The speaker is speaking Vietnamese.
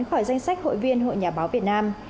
khỏi danh sách hội viên hội nhà báo việt nam